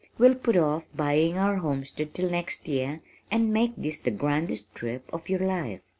"We'll put off buying our homestead till next year and make this the grandest trip of your life."